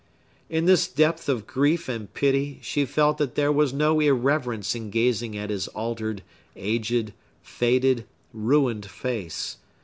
In this depth of grief and pity she felt that there was no irreverence in gazing at his altered, aged, faded, ruined face.